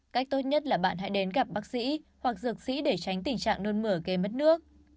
cách tốt nhất là bạn hãy đến gặp bác sĩ hoặc dược sĩ để tránh tình trạng nôn mửa gây mất nước